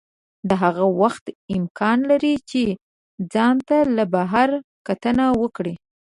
دا هغه وخت امکان لري چې ځان ته له بهر کتنه وکړئ.